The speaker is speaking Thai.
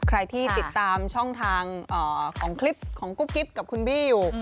ใครที่ติดตามช่องทางของคลิปของกุ๊กกิ๊บกับคุณบี้อยู่